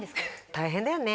大変だよね？